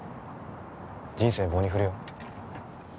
人生棒に振るよ